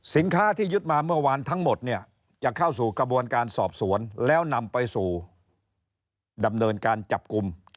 ที่ยึดมาเมื่อวานทั้งหมดเนี่ยจะเข้าสู่กระบวนการสอบสวนแล้วนำไปสู่ดำเนินการจับกลุ่ม